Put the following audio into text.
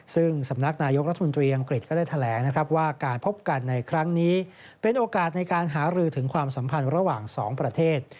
ซึ่งสำนักนายกรัฐมนตรีอังกฤษก็ได้แถลงนะครับว่าการพบกันในครั้งนี้เป็นโอกาสในการหารือถึงความสัมพันธ์ระหว่างสองประเทศ